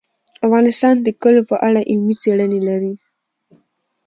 افغانستان د کلیو په اړه علمي څېړنې لري.